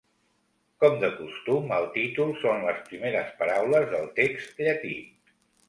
Com de costum el títol són les primeres paraules del text llatí.